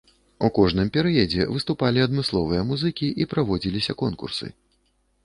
У кожным перыядзе выступалі адмысловыя музыкі і праводзіліся конкурсы.